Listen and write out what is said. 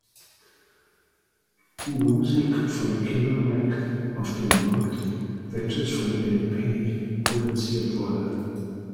Music" von Killer Mike auf den Markt, welches von El-P produziert wurde.